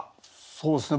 そうですね